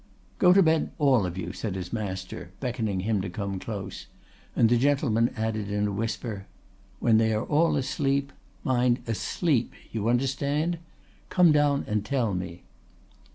"'Go to bed, all of you,' said his master, beckoning him to come close; and the gentleman added in a whisper, 'When they are all asleep—mind, asleep—you understand?—come down and tell me.